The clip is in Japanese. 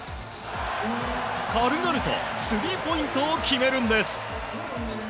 軽々とスリーポイントを決めるんです。